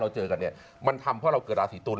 เจอกันเนี่ยมันทำเพราะเราเกิดราศีตุล